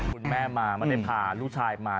คุณแม่มามาเด็ดผ่าลูกชายมา